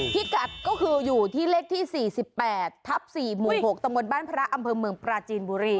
พิกัดก็คืออยู่ที่เลขที่๔๘ทับ๔หมู่๖ตำบลบ้านพระอำเภอเมืองปราจีนบุรี